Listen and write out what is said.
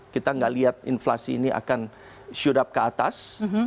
kita tidak lihat inflasi ini akan shoot up ke atas